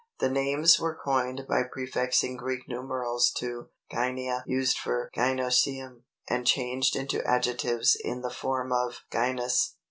The names were coined by prefixing Greek numerals to _ gynia_ used for gynœcium, and changed into adjectives in the form of _ gynous_.